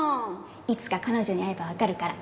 いつか彼女に会えば分かるから